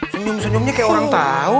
senyum senyumnya kayak orang tahu